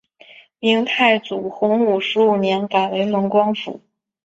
明太祖洪武十五年改为蒙光府。